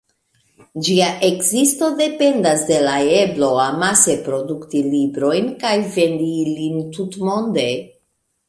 Ĝia ekzisto dependas de la eblo amase produkti librojn kaj vendi ilin tutmonde.